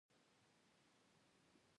د زابل په سیوري کې د فلورایټ نښې شته.